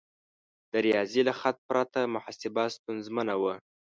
د ریاضي له خط پرته محاسبه ستونزمنه وه.